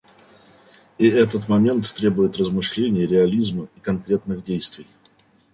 И этот момент требует размышлений, реализма и конкретных действий.